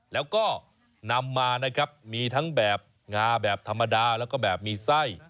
แล้วก็นำมานะครับมีทั้งแบบงาแบบธรรมดาแล้วก็แบบมีไส้